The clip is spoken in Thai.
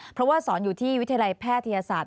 เพราะว่าสอนอยู่ที่วิทยาลัยแพทยศาสต